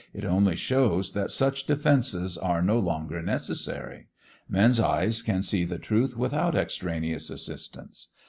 'It only shows that such defences are no longer necessary. Men's eyes can see the truth without extraneous assistance.